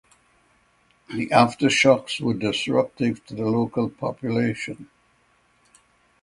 The aftershocks were disruptive to the local population.